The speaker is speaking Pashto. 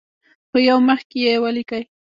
په یو مخ کې یې ولیکئ.